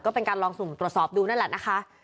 ก็เป็นการลองสุ่มตรวจสอบดูนั่นแหละนะคะ